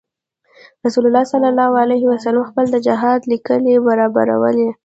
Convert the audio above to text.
رسول الله صلی علیه وسلم خپله د جهاد ليکې برابرولې.